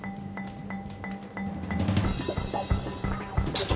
ちょっと！